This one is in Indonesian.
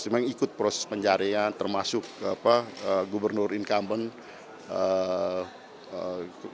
memang ikut proses pencarian termasuk gubernur incumbent